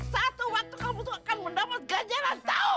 satu waktu kamu itu akan mendapat ganjaran tahu